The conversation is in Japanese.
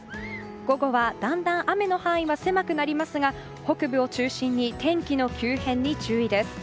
午後は、だんだん雨の範囲は狭くなりますが北部を中心に天気の急変に注意です。